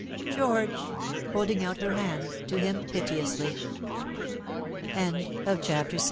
George 1" holding out her hands to him piteously CHAPTER VI